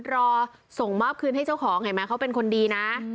รอส่งมอบคืนให้เจ้าของเห็นไหมเขาเป็นคนดีนะ